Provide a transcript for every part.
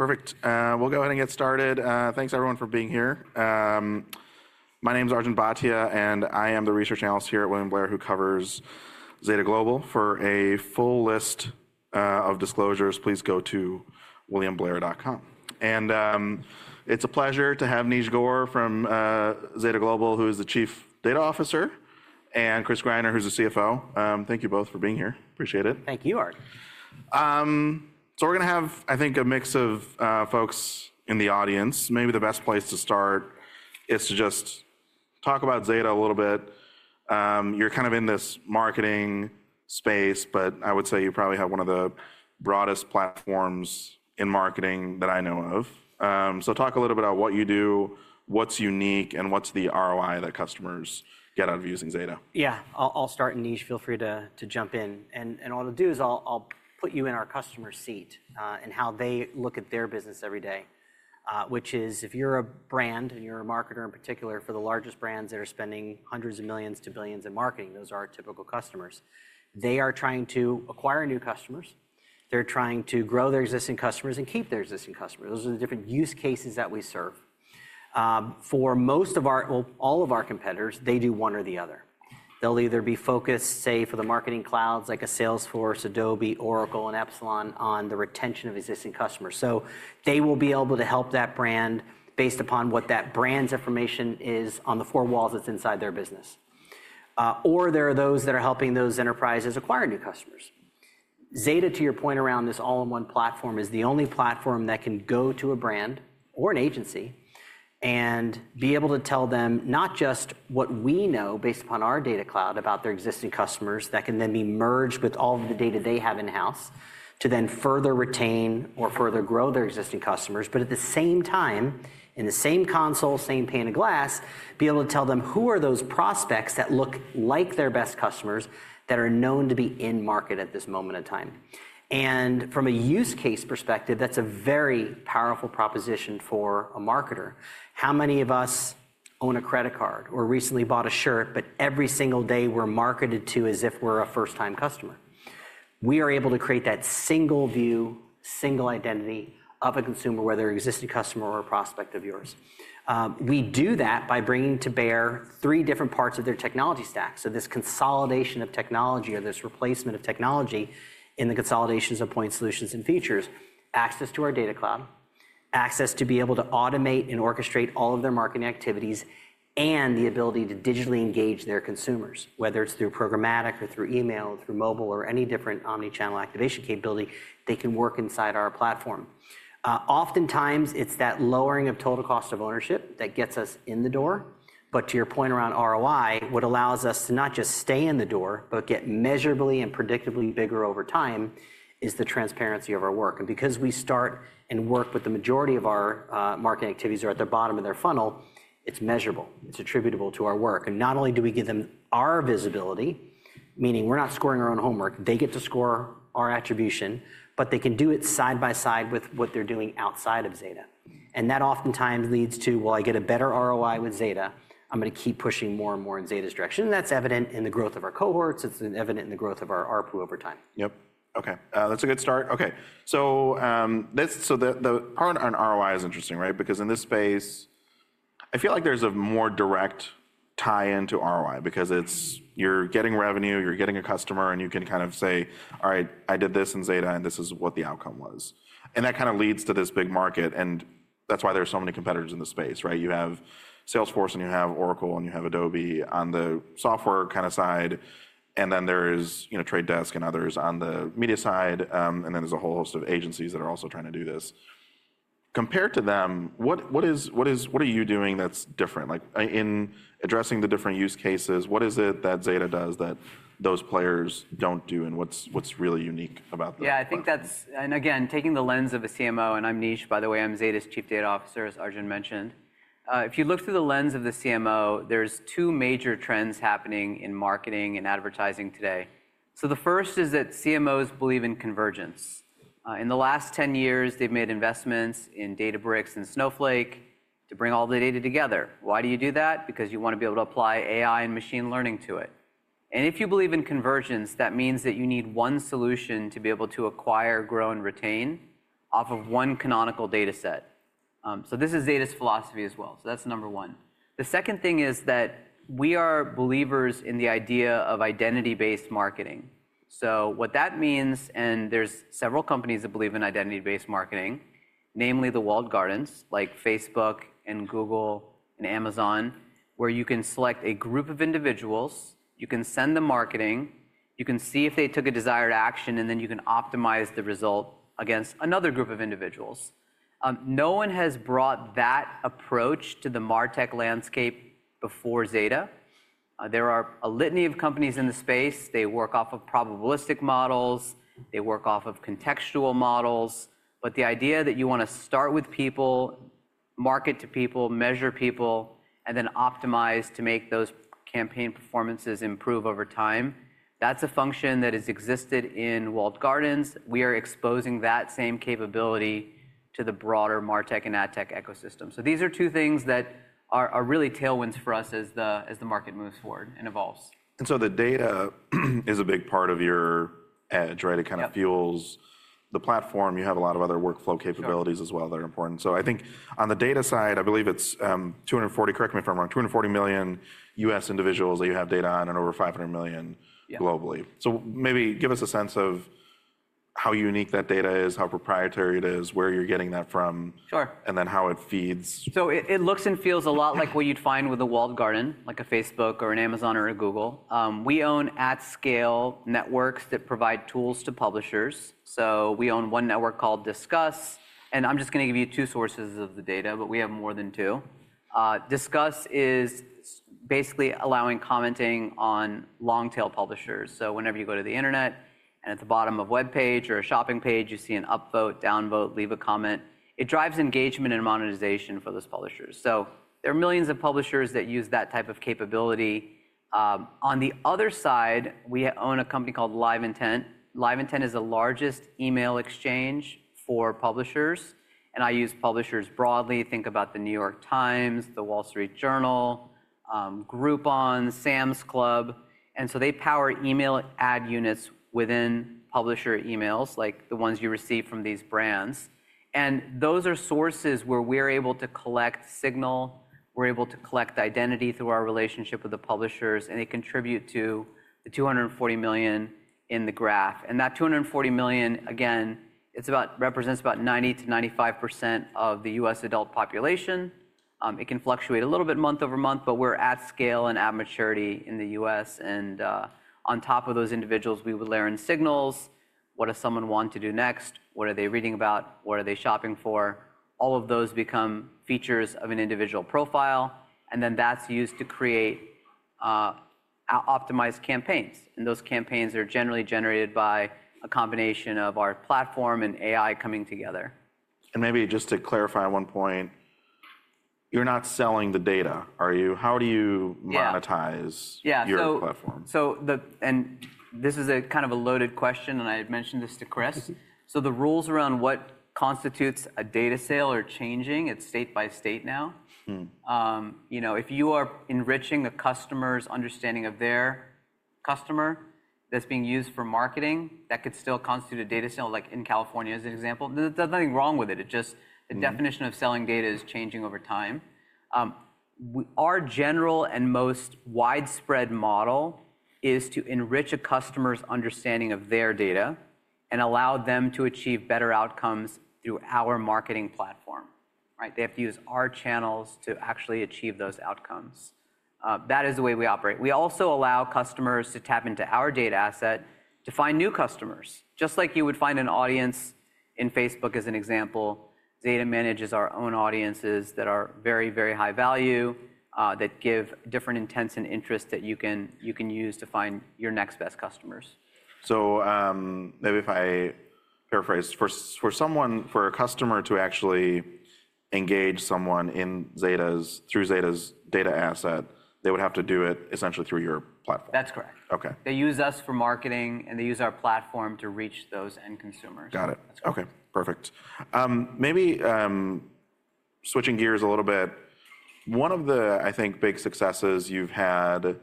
All right, perfect. We'll go ahead and get started. Thanks, everyone, for being here. My name is Arjun Bhatia, and I am the research analyst here at William Blair who covers Zeta Global. For a full list of disclosures, please go to williamblair.com. It is a pleasure to have Neej Gore from Zeta Global, who is the Chief Data Officer, and Chris Greiner, who's the CFO. Thank you both for being here. Appreciate it. Thank you, Arjun. We're going to have, I think, a mix of folks in the audience. Maybe the best place to start is to just talk about Zeta a little bit. You're kind of in this marketing space, but I would say you probably have one of the broadest platforms in marketing that I know of. Talk a little bit about what you do, what's unique, and what's the ROI that customers get out of using Zeta. Yeah, I'll start, and Neej, feel free to jump in. What I'll do is I'll put you in our customer's seat and how they look at their business every day, which is if you're a brand and you're a marketer in particular for the largest brands that are spending hundreds of millions to billions in marketing, those are our typical customers. They are trying to acquire new customers. They're trying to grow their existing customers and keep their existing customers. Those are the different use cases that we serve. For most of our—well, all of our competitors, they do one or the other. They'll either be focused, say, for the marketing clouds, like a Salesforce, Adobe, Oracle, and Epsilon, on the retention of existing customers. They will be able to help that brand based upon what that brand's information is on the four walls that's inside their business. There are those that are helping those enterprises acquire new customers. Zeta, to your point around this all-in-one platform, is the only platform that can go to a brand or an agency and be able to tell them not just what we know based upon our Data Cloud about their existing customers that can then be merged with all of the data they have in-house to then further retain or further grow their existing customers, but at the same time, in the same console, same pane of glass, be able to tell them who are those prospects that look like their best customers that are known to be in-market at this moment in time. From a use case perspective, that's a very powerful proposition for a marketer. How many of us own a credit card or recently bought a shirt, but every single day we're marketed to as if we're a first-time customer? We are able to create that single view, single identity of a consumer, whether an existing customer or a prospect of yours. We do that by bringing to bear three different parts of their technology stack. This consolidation of technology or this replacement of technology in the consolidations of point solutions and features, access to our Data Cloud, access to be able to automate and orchestrate all of their marketing activities, and the ability to digitally engage their consumers, whether it's through programmatic or through email, through mobile, or any different omnichannel activation capability, they can work inside our platform. Oftentimes, it's that lowering of total cost of ownership that gets us in the door. To your point around ROI, what allows us to not just stay in the door, but get measurably and predictably bigger over time is the transparency of our work. Because we start and work with the majority of our marketing activities that are at the bottom of their funnel, it's measurable. It's attributable to our work. Not only do we give them our visibility, meaning we're not scoring our own homework, they get to score our attribution, but they can do it side by side with what they're doing outside of Zeta. That oftentimes leads to, well, I get a better ROI with Zeta, I'm going to keep pushing more and more in Zeta's direction. That's evident in the growth of our cohorts. It's evident in the growth of our ARPU over time. Yep. Ok, that's a good start. Ok, so the part on ROI is interesting, right? Because in this space, I feel like there's a more direct tie-in to ROI because you're getting revenue, you're getting a customer, and you can kind of say, all right, I did this in Zeta, and this is what the outcome was. That kind of leads to this big market. That's why there are so many competitors in the space, right? You have Salesforce, and you have Oracle, and you have Adobe on the software kind of side. Then there's The Trade Desk and others on the media side. Then there's a whole host of agencies that are also trying to do this. Compared to them, what are you doing that's different? In addressing the different use cases, what is it that Zeta does that those players don't do? What's really unique about them? Yeah, I think that's—and again, taking the lens of a CMO, and I'm Neej, by the way, I'm Zeta's Chief Data Officer, as Arjun mentioned. If you look through the lens of the CMO, there's two major trends happening in marketing and advertising today. The first is that CMOs believe in convergence. In the last 10 years, they've made investments in Databricks and Snowflake to bring all the data together. Why do you do that? Because you want to be able to apply AI and machine learning to it. If you believe in convergence, that means that you need one solution to be able to acquire, grow, and retain off of one canonical data set. This is Zeta's philosophy as well. That's number one. The second thing is that we are believers in the idea of identity-based marketing. that means is there are several companies that believe in identity-based marketing, namely the walled gardens, like Facebook and Google and Amazon, where you can select a group of individuals, you can send them marketing, you can see if they took a desired action, and then you can optimize the result against another group of individuals. No one has brought that approach to the martech landscape before Zeta. There are a litany of companies in the space. They work off of probabilistic models. They work off of contextual models. The idea that you want to start with people, market to people, measure people, and then optimize to make those campaign performances improve over time, that is a function that has existed in walled gardens. We are exposing that same capability to the broader martech and adtech ecosystem. These are two things that are really tailwinds for us as the market moves forward and evolves. The data is a big part of your edge, right? It kind of fuels the platform. You have a lot of other workflow capabilities as well that are important. I think on the data side, I believe it is 240—correct me if I am wrong—240 million US individuals that you have data on and over 500 million globally. Maybe give us a sense of how unique that data is, how proprietary it is, where you are getting that from, and then how it feeds. It looks and feels a lot like what you'd find with a walled garden, like a Facebook or an Amazon or a Google. We own at-scale networks that provide tools to publishers. We own one network called Discuss. I'm just going to give you two sources of the data, but we have more than two. Discuss is basically allowing commenting on long-tail publishers. Whenever you go to the internet and at the bottom of a web page or a shopping page, you see an upvote, downvote, leave a comment. It drives engagement and monetization for those publishers. There are millions of publishers that use that type of capability. On the other side, we own a company called Live Intent. Live Intent is the largest email exchange for publishers. I use publishers broadly. Think about The New York Times, The Wall Street Journal, Groupon, Sam's Club. They power email ad units within publisher emails, like the ones you receive from these brands. Those are sources where we're able to collect signal. We're able to collect identity through our relationship with the publishers. They contribute to the 240 million in the graph. That 240 million, again, represents about 90%-95% of the US adult population. It can fluctuate a little bit month over month, but we're at scale and at maturity in the U.S. On top of those individuals, we would layer in signals. What does someone want to do next? What are they reading about? What are they shopping for? All of those become features of an individual profile. That is used to create optimized campaigns. Those campaigns are generally generated by a combination of our platform and AI coming together. Maybe just to clarify one point, you're not selling the data, are you? How do you monetize your platform? Yeah, so, and this is a kind of a loaded question, and I had mentioned this to Chris. The rules around what constitutes a data sale are changing. It's state by state now. If you are enriching a customer's understanding of their customer that's being used for marketing, that could still constitute a data sale, like in California as an example. There's nothing wrong with it. It's just the definition of selling data is changing over time. Our general and most widespread model is to enrich a customer's understanding of their data and allow them to achieve better outcomes through our marketing platform. They have to use our channels to actually achieve those outcomes. That is the way we operate. We also allow customers to tap into our data asset to find new customers, just like you would find an audience in Facebook, as an example. Zeta manages our own audiences that are very, very high value, that give different intents and interests that you can use to find your next best customers. Maybe if I paraphrase, for a customer to actually engage someone through Zeta's data asset, they would have to do it essentially through your platform. That's correct. They use us for marketing, and they use our platform to reach those end consumers. Got it. Ok, perfect. Maybe switching gears a little bit, one of the, I think, big successes you've had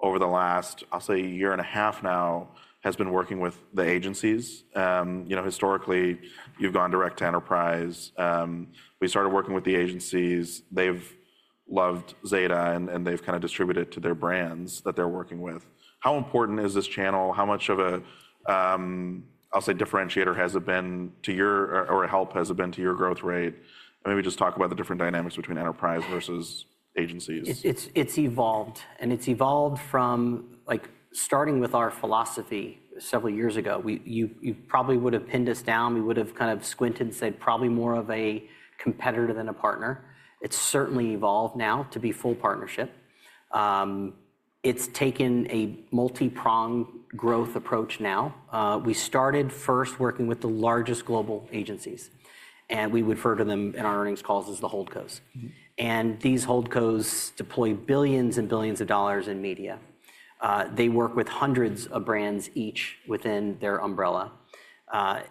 over the last, I'll say, year and a half now has been working with the agencies. Historically, you've gone direct to enterprise. We started working with the agencies. They've loved Zeta, and they've kind of distributed it to their brands that they're working with. How important is this channel? How much of a, I'll say, differentiator has it been to your, or a help has it been to your growth rate? Maybe just talk about the different dynamics between enterprise versus agencies. It's evolved. It's evolved from starting with our philosophy several years ago. You probably would have pinned us down. We would have kind of squinted and said probably more of a competitor than a partner. It's certainly evolved now to be full partnership. It's taken a multi-pronged growth approach now. We started first working with the largest global agencies. We would refer to them in our earnings calls as the holdcos. These holdcos deploy billions and billions of dollars in media. They work with hundreds of brands each within their umbrella.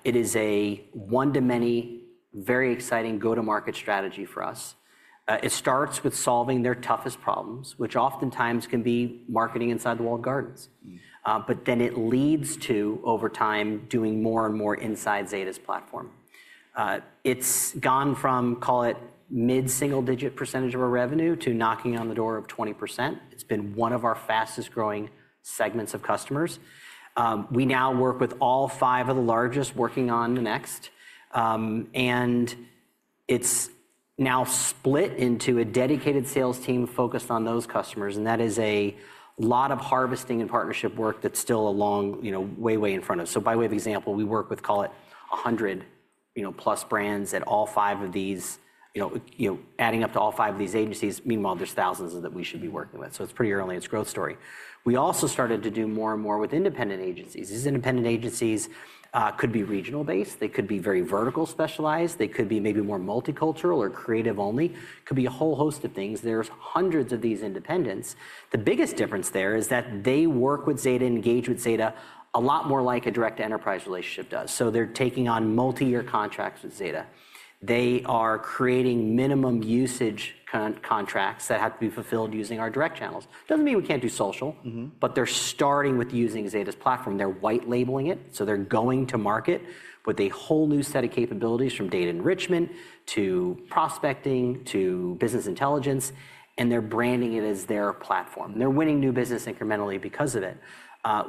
It is a one-to-many, very exciting go-to-market strategy for us. It starts with solving their toughest problems, which oftentimes can be marketing inside the walled gardens. It leads to, over time, doing more and more inside Zeta's platform. It's gone from, call it, mid-single-digit % of our revenue to knocking on the door of 20%. It's been one of our fastest-growing segments of customers. We now work with all five of the largest, working on the next. It is now split into a dedicated sales team focused on those customers. That is a lot of harvesting and partnership work that's still a long way, way in front of us. By way of example, we work with, call it, 100-plus brands at all five of these, adding up to all five of these agencies. Meanwhile, there are thousands of them that we should be working with. It's pretty early in its growth story. We also started to do more and more with independent agencies. These independent agencies could be regional-based. They could be very vertical specialized. They could be maybe more multicultural or creative only. It could be a whole host of things. There are hundreds of these independents. The biggest difference there is that they work with Zeta, engage with Zeta a lot more like a direct enterprise relationship does. They are taking on multi-year contracts with Zeta. They are creating minimum usage contracts that have to be fulfilled using our direct channels. It does not mean we cannot do social, but they are starting with using Zeta's platform. They are white-labeling it. They are going to market with a whole new set of capabilities from data enrichment to prospecting to business intelligence. They are branding it as their platform. They are winning new business incrementally because of it.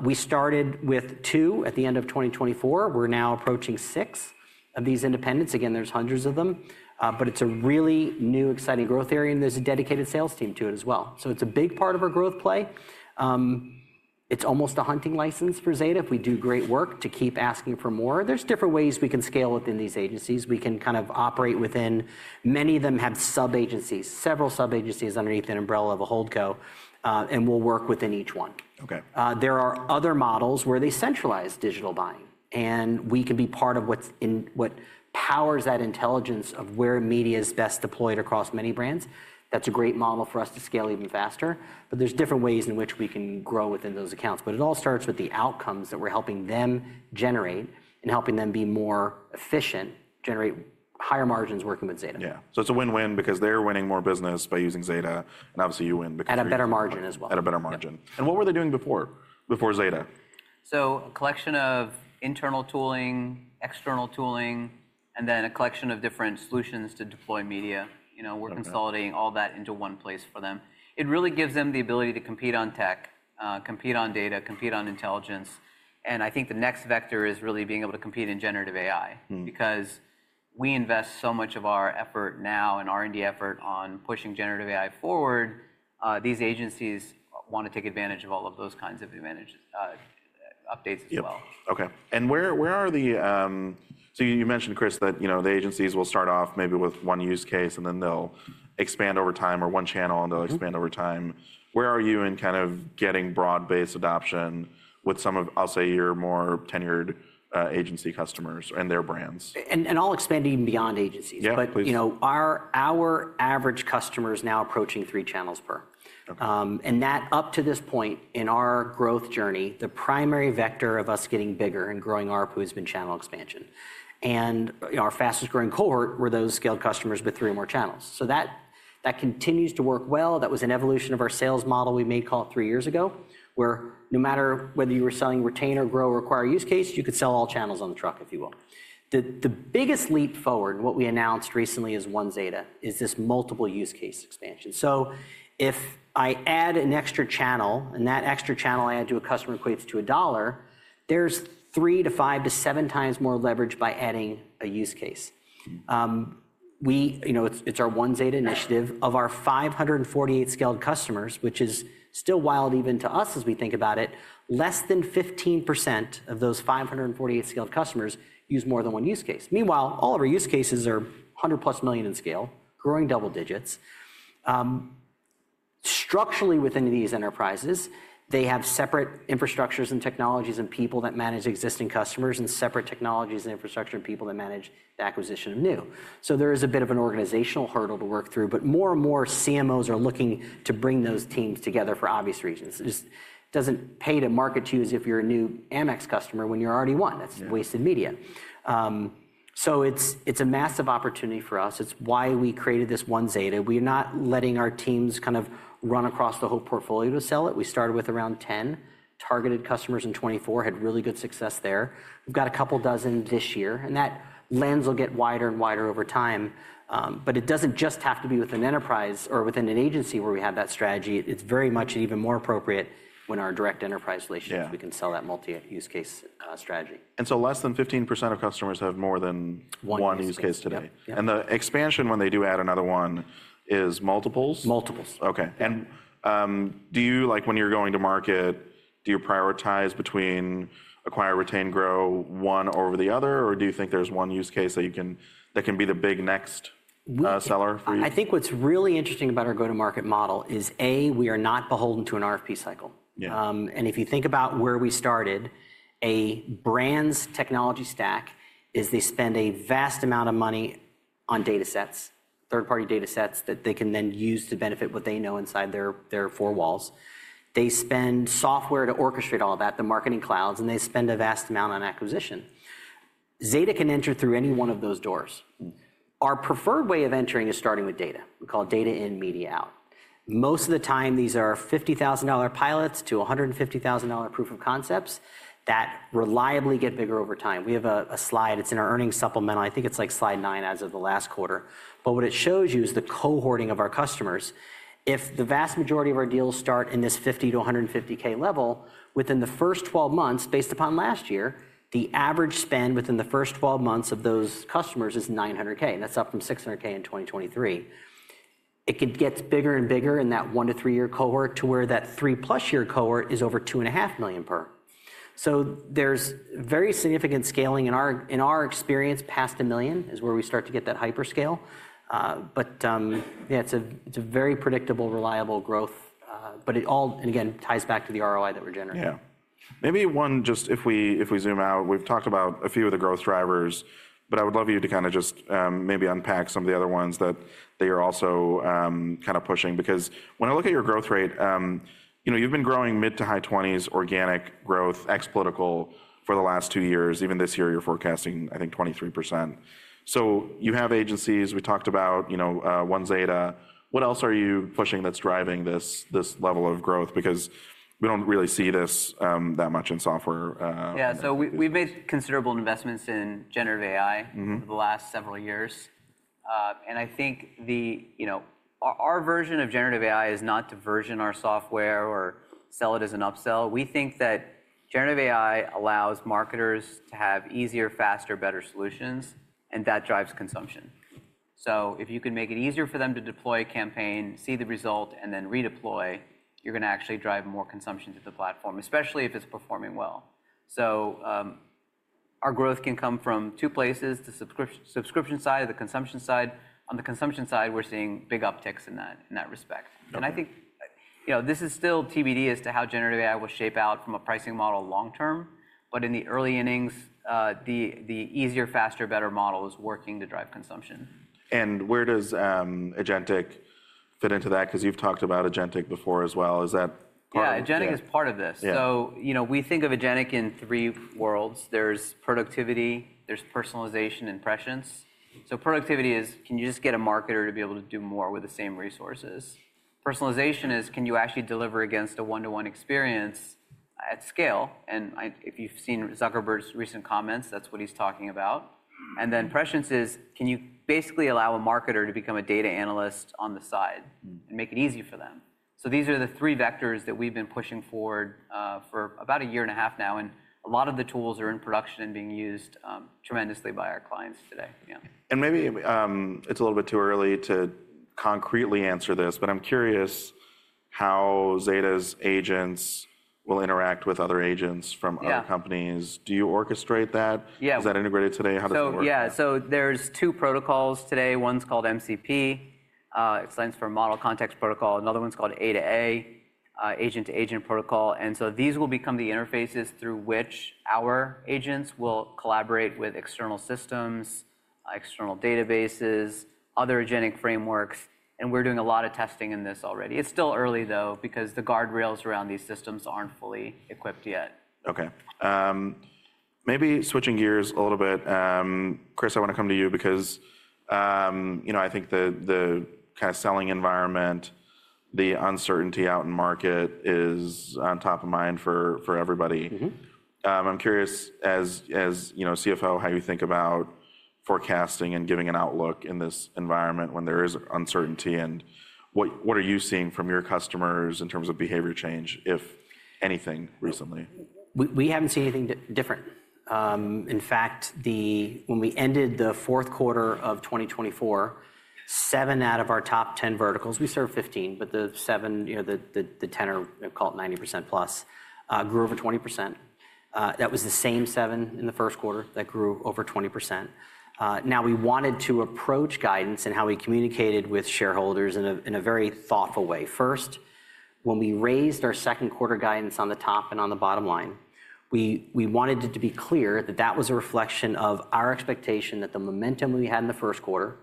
We started with two at the end of 2024. We are now approaching six of these independents. There are hundreds of them. It is a really new, exciting growth area. There is a dedicated sales team to it as well. It's a big part of our growth play. It's almost a hunting license for Zeta. If we do great work to keep asking for more. There are different ways we can scale within these agencies. We can kind of operate within many of them have sub-agencies, several sub-agencies underneath an umbrella of a holdco. We'll work within each one. There are other models where they centralize digital buying. We can be part of what powers that intelligence of where media is best deployed across many brands. That's a great model for us to scale even faster. There are different ways in which we can grow within those accounts. It all starts with the outcomes that we're helping them generate and helping them be more efficient, generate higher margins working with Zeta. Yeah, so it's a win-win because they're winning more business by using Zeta. Obviously, you win because of that. A better margin as well. A better margin. What were they doing before Zeta? A collection of internal tooling, external tooling, and then a collection of different solutions to deploy media. We're consolidating all that into one place for them. It really gives them the ability to compete on tech, compete on data, compete on intelligence. I think the next vector is really being able to compete in generative AI because we invest so much of our effort now and R&D effort on pushing generative AI forward. These agencies want to take advantage of all of those kinds of updates as well. OK. Where are the--so you mentioned, Chris, that the agencies will start off maybe with one use case, and then they'll expand over time, or one channel, and they'll expand over time. Where are you in kind of getting broad-based adoption with some of, I'll say, your more tenured agency customers and their brands? I'll expand even beyond agencies. Our average customer is now approaching three channels per. Up to this point in our growth journey, the primary vector of us getting bigger and growing ARPU has been channel expansion. Our fastest-growing cohort were those scaled customers with three or more channels. That continues to work well. That was an evolution of our sales model we made, call it three years ago, where no matter whether you were selling retain or grow or acquire use case, you could sell all channels on the truck, if you will. The biggest leap forward, and what we announced recently as OneZeta, is this multiple use case expansion. If I add an extra channel, and that extra channel I add to a customer equates to a dollar, there is three to five to seven times more leverage by adding a use case. It's our OneZeta initiative. Of our 548 scaled customers, which is still wild even to us as we think about it, less than 15% of those 548 scaled customers use more than one use case. Meanwhile, all of our use cases are 100-plus million in scale, growing double digits. Structurally, within these enterprises, they have separate infrastructures and technologies and people that manage existing customers and separate technologies and infrastructure and people that manage the acquisition of new. There is a bit of an organizational hurdle to work through. More and more CMOs are looking to bring those teams together for obvious reasons. It just doesn't pay to market to you as if you're a new AMEX customer when you're already one. That's wasted media. It's a massive opportunity for us. It's why we created this OneZeta. We're not letting our teams kind of run across the whole portfolio to sell it. We started with around 10 targeted customers in 2024, had really good success there. We've got a couple dozen this year. That lens will get wider and wider over time. It does not just have to be within enterprise or within an agency where we have that strategy. It is very much and even more appropriate when our direct enterprise relationships, we can sell that multi-use case strategy. Less than 15% of customers have more than one use case today. The expansion, when they do add another one, is multiples? Multiples. OK. And do you, like when you're going to market, do you prioritize between acquire, retain, grow, one over the other? Or do you think there's one use case that can be the big next seller for you? I think what's really interesting about our go-to-market model is, A, we are not beholden to an RFP cycle. If you think about where we started, a brand's technology stack is they spend a vast amount of money on data sets, third-party data sets that they can then use to benefit what they know inside their four walls. They spend software to orchestrate all that, the marketing clouds. They spend a vast amount on acquisition. Zeta can enter through any one of those doors. Our preferred way of entering is starting with data. We call it data in, media out. Most of the time, these are $50,000 pilots to $150,000 proof of concepts that reliably get bigger over time. We have a slide. It is in our earnings supplemental. I think it is like slide 9 as of the last quarter. What it shows you is the cohorting of our customers. If the vast majority of our deals start in this $50,000-$150,000 level, within the first 12 months, based upon last year, the average spend within the first 12 months of those customers is $900,000. That's up from $600,000 in 2023. It gets bigger and bigger in that one to three-year cohort to where that three-plus-year cohort is over $2.5 million per. There's very significant scaling. In our experience, past $1 million is where we start to get that hyperscale. Yeah, it's a very predictable, reliable growth. It all, again, ties back to the ROI that we're generating. Yeah. Maybe one, just if we zoom out, we've talked about a few of the growth drivers. I would love you to kind of just maybe unpack some of the other ones that you're also kind of pushing. Because when I look at your growth rate, you've been growing mid to high 20s, organic growth, ex-political for the last two years. Even this year, you're forecasting, I think, 23%. You have agencies. We talked about OneZeta. What else are you pushing that's driving this level of growth? We do not really see this that much in software. Yeah, so we've made considerable investments in generative AI over the last several years. I think our version of generative AI is not to version our software or sell it as an upsell. We think that generative AI allows marketers to have easier, faster, better solutions. That drives consumption. If you can make it easier for them to deploy a campaign, see the result, and then redeploy, you're going to actually drive more consumption to the platform, especially if it's performing well. Our growth can come from two places: the subscription side, the consumption side. On the consumption side, we're seeing big upticks in that respect. I think this is still TBD as to how generative AI will shape out from a pricing model long term. In the early innings, the easier, faster, better model is working to drive consumption. Where does Agentic fit into that? Because you've talked about Agentic before as well. Is that part of the? Yeah, Agentic is part of this. We think of Agentic in three worlds. There is productivity, there is personalization, and prescience. Productivity is, can you just get a marketer to be able to do more with the same resources? Personalization is, can you actually deliver against a one-to-one experience at scale? If you have seen Zuckerberg's recent comments, that is what he is talking about. Prescience is, can you basically allow a marketer to become a data analyst on the side and make it easy for them? These are the three vectors that we have been pushing forward for about a year and a half now. A lot of the tools are in production and being used tremendously by our clients today. Maybe it's a little bit too early to concretely answer this. But I'm curious how Zeta's agents will interact with other agents from other companies. Do you orchestrate that? Is that integrated today? How does it work? Yeah. So there are two protocols today. One's called MCP. It stands for Model Context Protocol. Another one's called A2A, Agent-to-Agent Protocol. These will become the interfaces through which our agents will collaborate with external systems, external databases, other agentic frameworks. We're doing a lot of testing in this already. It's still early, though, because the guardrails around these systems are not fully equipped yet. OK. Maybe switching gears a little bit. Chris, I want to come to you because I think the kind of selling environment, the uncertainty out in market is on top of mind for everybody. I'm curious, as CFO, how you think about forecasting and giving an outlook in this environment when there is uncertainty. What are you seeing from your customers in terms of behavior change, if anything, recently? We haven't seen anything different. In fact, when we ended the fourth quarter of 2024, seven out of our top 10 verticals—we serve 15, but the 10 are called 90% plus—grew over 20%. That was the same seven in the first quarter that grew over 20%. Now, we wanted to approach guidance and how we communicated with shareholders in a very thoughtful way. First, when we raised our second quarter guidance on the top and on the bottom line, we wanted it to be clear that that was a reflection of our expectation that the momentum we had in the first quarter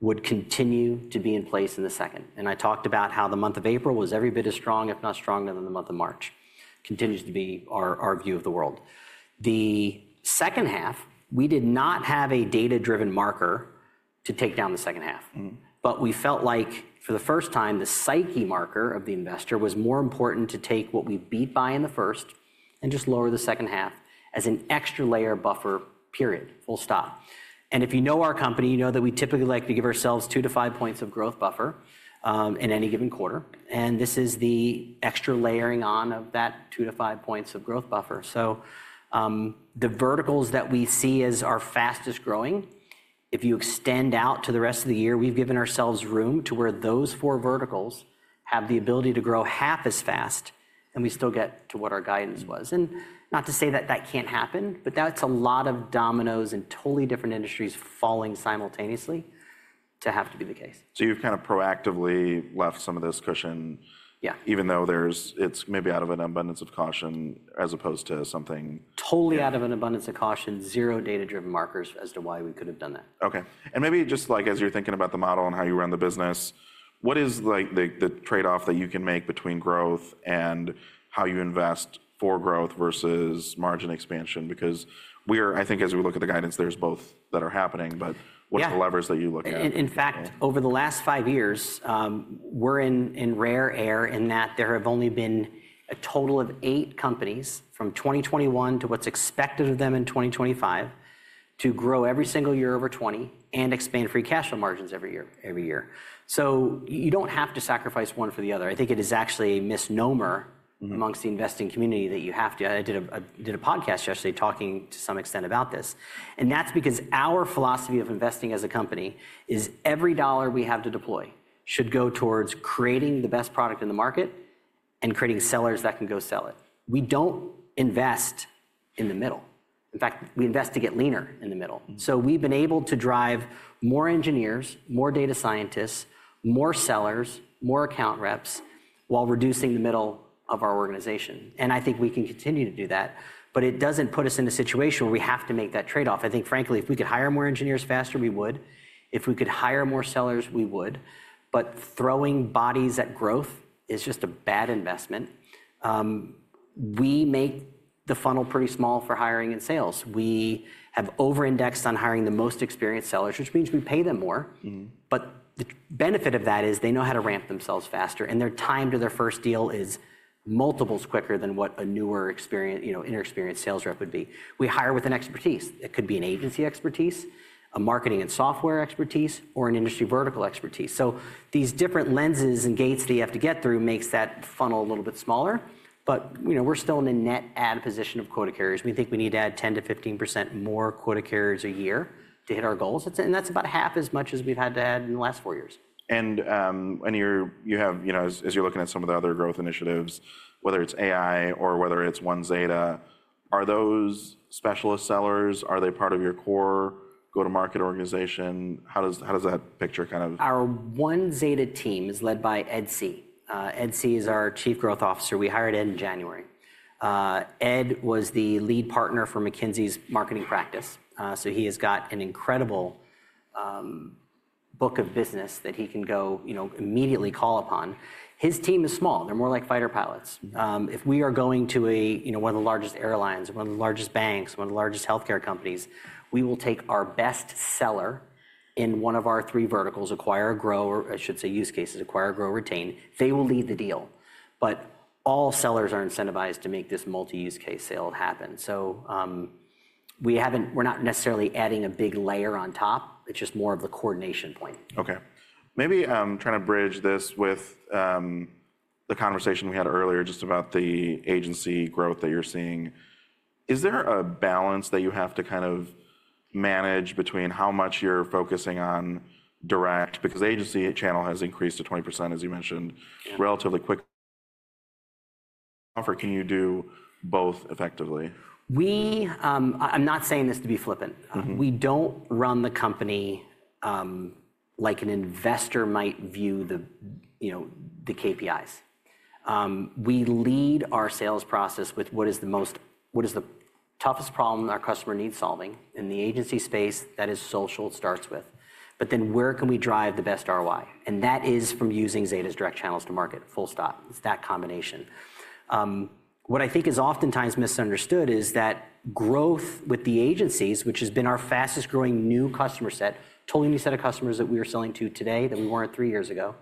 would continue to be in place in the second. I talked about how the month of April was every bit as strong, if not stronger, than the month of March. Continues to be our view of the world. The second half, we did not have a data-driven marker to take down the second half. We felt like, for the first time, the psyche marker of the investor was more important to take what we beat by in the first and just lower the second half as an extra layer buffer, period, full stop. If you know our company, you know that we typically like to give ourselves 2-5 points of growth buffer in any given quarter. This is the extra layering on of that 2-5 points of growth buffer. The verticals that we see as our fastest growing, if you extend out to the rest of the year, we have given ourselves room to where those four verticals have the ability to grow half as fast. We still get to what our guidance was. Not to say that that can't happen, but that's a lot of dominoes and totally different industries falling simultaneously to have to be the case. You've kind of proactively left some of this cushion, even though it's maybe out of an abundance of caution as opposed to something. Totally out of an abundance of caution, zero data-driven markers as to why we could have done that. OK. Maybe just like as you're thinking about the model and how you run the business, what is the trade-off that you can make between growth and how you invest for growth versus margin expansion? We are, I think, as we look at the guidance, there's both that are happening. What's the levers that you look at? In fact, over the last five years, we're in rare air in that there have only been a total of eight companies from 2021 to what is expected of them in 2025 to grow every single year over 20% and expand free cash flow margins every year. You do not have to sacrifice one for the other. I think it is actually a misnomer amongst the investing community that you have to. I did a podcast yesterday talking to some extent about this. That is because our philosophy of investing as a company is every dollar we have to deploy should go towards creating the best product in the market and creating sellers that can go sell it. We do not invest in the middle. In fact, we invest to get leaner in the middle. We have been able to drive more engineers, more data scientists, more sellers, more account reps while reducing the middle of our organization. I think we can continue to do that. It does not put us in a situation where we have to make that trade-off. Frankly, if we could hire more engineers faster, we would. If we could hire more sellers, we would. Throwing bodies at growth is just a bad investment. We make the funnel pretty small for hiring and sales. We have over-indexed on hiring the most experienced sellers, which means we pay them more. The benefit of that is they know how to ramp themselves faster, and their time to their first deal is multiples quicker than what a newer inexperienced sales rep would be. We hire with an expertise. It could be an agency expertise, a marketing and software expertise, or an industry vertical expertise. These different lenses and gates that you have to get through make that funnel a little bit smaller. We're still in a net add position of quota carriers. We think we need to add 10%-15% more quota carriers a year to hit our goals. That's about half as much as we've had to add in the last four years. You have, as you're looking at some of the other growth initiatives, whether it's AI or whether it's OneZeta, are those specialist sellers? Are they part of your core go-to-market organization? How does that picture kind of? Our OneZeta team is led by Ed See. Ed See is our Chief Growth Officer. We hired Ed in January. Ed was the lead partner for McKinsey's marketing practice. So he has got an incredible book of business that he can go immediately call upon. His team is small. They're more like fighter pilots. If we are going to one of the largest airlines, one of the largest banks, one of the largest healthcare companies, we will take our best seller in one of our three verticals, acquire, grow, or I should say use cases, acquire, grow, retain. They will lead the deal. But all sellers are incentivized to make this multi-use case sale happen. So we're not necessarily adding a big layer on top. It's just more of the coordination point. Ok. Maybe I'm trying to bridge this with the conversation we had earlier just about the agency growth that you're seeing. Is there a balance that you have to kind of manage between how much you're focusing on direct? Because agency channel has increased to 20%, as you mentioned, relatively quick. Can you do both effectively? I'm not saying this to be flippant. We don't run the company like an investor might view the KPIs. We lead our sales process with what is the toughest problem our customer needs solving. In the agency space, that is social, it starts with. Where can we drive the best ROI? That is from using Zeta's direct channels to market, full stop. It's that combination. What I think is oftentimes misunderstood is that growth with the agencies, which has been our fastest growing new customer set, totally new set of customers that we were selling to today that we weren't three years ago,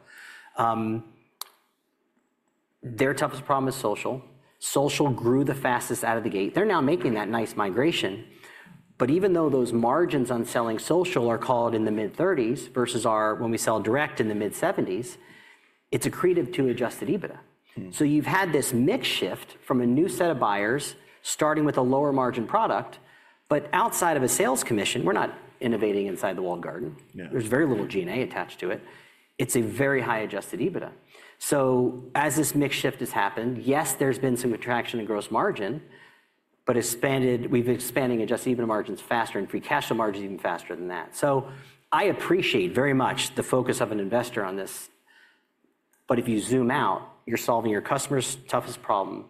their toughest problem is social. Social grew the fastest out of the gate. They're now making that nice migration. Even though those margins on selling social are called in the mid-30s versus when we sell direct in the mid-70s, it is accretive to adjusted EBITDA. You have had this mix shift from a new set of buyers starting with a lower margin product. Outside of a sales commission, we are not innovating inside the walled garden. There is very little G&A attached to it. It is a very high adjusted EBITDA. As this mix shift has happened, yes, there has been some attraction in gross margin. We have been expanding adjusted EBITDA margins faster and free cash flow margins even faster than that. I appreciate very much the focus of an investor on this. If you zoom out, you are solving your customer's toughest problem.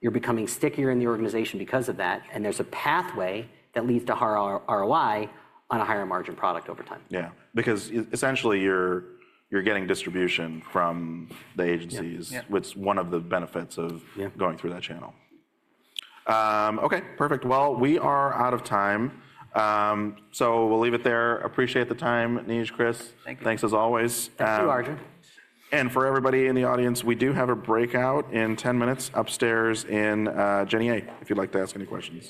You are becoming stickier in the organization because of that. There is a pathway that leads to higher ROI on a higher margin product over time. Yeah. Because essentially, you're getting distribution from the agencies, which is one of the benefits of going through that channel. Ok. Perfect. We are out of time. So we'll leave it there. Appreciate the time, Neej, Chris. Thank you. Thanks as always. Thanks to you, Arjun. For everybody in the audience, we do have a breakout in 10 minutes upstairs in GenAI, if you'd like to ask any questions.